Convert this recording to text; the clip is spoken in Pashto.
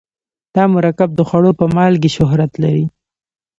دا مرکب د خوړو په مالګې شهرت لري.